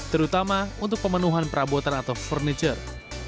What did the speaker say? terutama untuk pemenuhan perabotan atau furniture